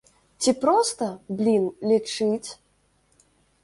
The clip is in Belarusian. Ці проста, блін, лічыць?